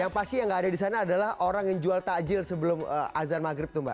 yang pasti yang nggak ada di sana adalah orang yang jual takjil sebelum azan maghrib tuh mbak